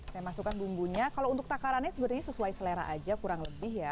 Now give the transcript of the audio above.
saya masukkan bumbunya kalau untuk takarannya sebenarnya sesuai selera aja kurang lebih ya